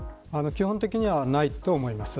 基本的には、ないと思います。